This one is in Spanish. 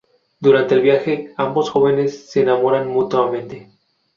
Durante el viaje ambos jóvenes se enamoran mutuamente.